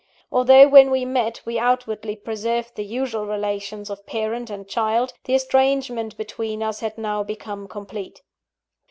Although when we met, we outwardly preserved the usual relations of parent and child, the estrangement between us had now become complete.